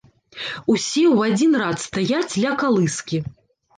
Усе ў адзін рад стаяць ля калыскі.